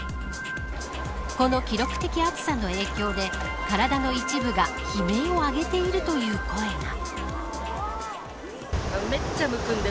この記録的暑さの影響で体の一部が悲鳴を上げているという声が。